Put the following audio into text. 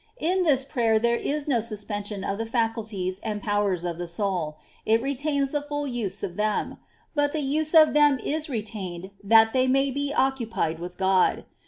In this prayer there is no suspension of the faculties and powers of the soul ; it retains the full use of them ; but the use of them is retained that they may be occupied with God.